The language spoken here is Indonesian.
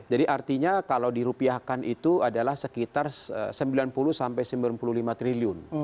jadi artinya kalau dirupiahkan itu adalah sekitar sembilan puluh sembilan puluh lima triliun